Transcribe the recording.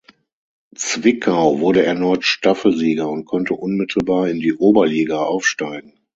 Zwickau wurde erneut Staffelsieger und konnte unmittelbar in die Oberliga aufsteigen.